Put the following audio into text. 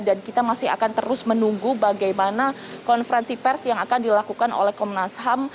dan kita masih akan terus menunggu bagaimana konferensi pers yang akan dilakukan oleh komnas ham